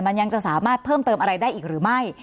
มันยังจะสามารถเพิ่มเติมอะไรได้อีกหรือไม่